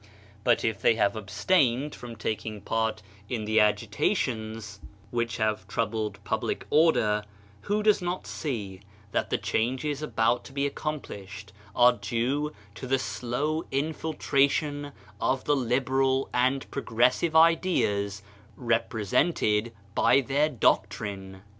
But if they have abstained from taking part in the agitations which have WORK 173 troubled public order, who does not see that the changes about to be accom plished are due to the slow infiltration of the liberal and progressive ideas repre sented by their doctrine